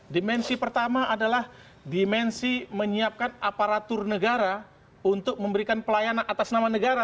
dimensi pertama adalah dimensi menyiapkan aparatur negara untuk memberikan pelayanan atas nama negara